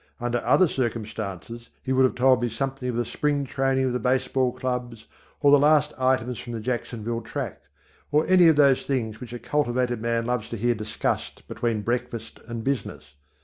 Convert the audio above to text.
Under other circumstances he would have told me something of the spring training of the baseball clubs, or the last items from the Jacksonville track, or any of those things which a cultivated man loves to hear discussed between breakfast and business.